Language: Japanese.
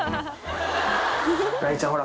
雷ちゃんほら。